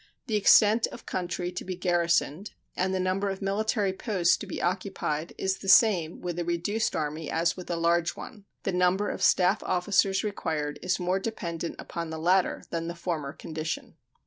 The extent of country to be garrisoned and the number of military posts to be occupied is the same with a reduced Army as with a large one. The number of staff officers required is more dependent upon the latter than the former condition.